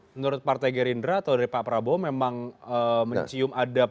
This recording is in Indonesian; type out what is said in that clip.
menurut partai gerindra atau dari pak prabowo memang mencium ada